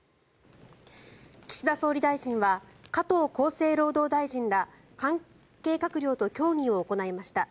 岸田総理大臣は加藤厚生労働大臣ら関係閣僚と協議を行いました。